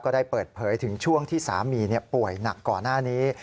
ได้เปิดเผยถึงช่วงที่สามีป่วยหนักก่อนหน้านี้